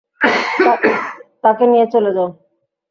তাকে নিয়ে চলে যাও।